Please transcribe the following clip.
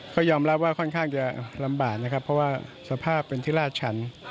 ก็ยอมรับว่าค่อนข้างจะลำบากนะครับเพราะว่าสภาพเป็นที่ลาดชัน